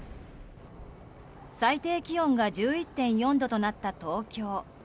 最低気温が１１．４度となった東京。